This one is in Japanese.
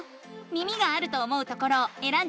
耳があると思うところをえらんでみて。